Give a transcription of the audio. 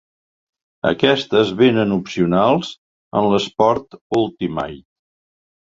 Aquestes vénen opcionals en l'esport Ultimate.